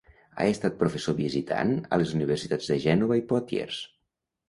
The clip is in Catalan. Ha estat professor visitant a les universitats de Gènova i Poitiers.